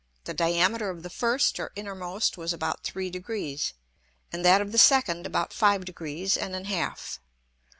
The Diameter of the first or innermost was about three Degrees, and that of the second about five Degrees and an half.